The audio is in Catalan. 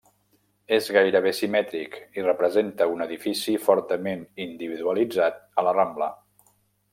És gairebé simètric, i representa un edifici fortament individualitzat a la Rambla.